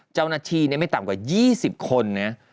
เจ้าหน้าที่ไม่ต่ำกว่า๒๐คนนะ